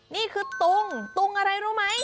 นี่คือตุงตุงอะไรรู้ไหม